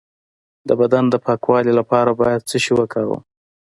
د بدن د پاکوالي لپاره باید څه شی وکاروم؟